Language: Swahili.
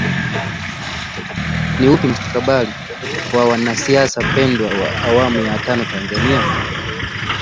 Ni upi mustakabali wa wanasiasa pendwa wa awamu ya tano Tanzania